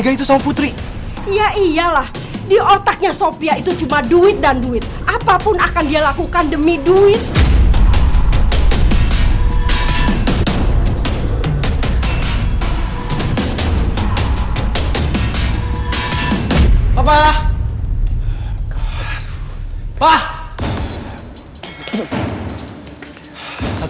kali ini tolong jangan sampai belakan putri los